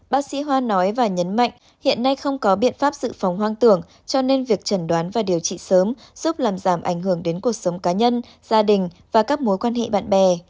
bác sĩ hoa nói và nhấn mạnh hiện nay không có biện pháp sự phòng hoang tưởng cho nên việc trần đoán và điều trị sớm giúp làm giảm ảnh hưởng đến cuộc sống cá nhân gia đình và các mối quan hệ bạn bè